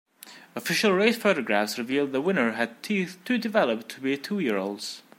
Official race photographs revealed the winner had teeth too developed to be a two-year-old's.